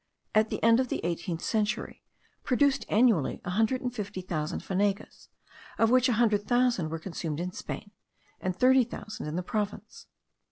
at the end of the eighteenth century, produced annually a hundred and fifty thousand fanegas, of which a hundred thousand were consumed in Spain, and thirty thousand in the province.